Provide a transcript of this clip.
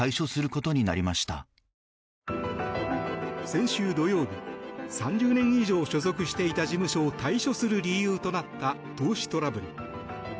先週土曜日３０年以上所属していた事務所を退所する理由となった投資トラブル。